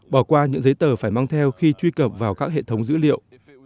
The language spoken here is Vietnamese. bỏ qua những giấy tờ phải mang theo khi truy cập vào các hệ thống dữ liệu